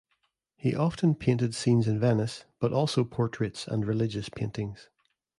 He often painted scenes in Venice, but also portraits and religious paintings.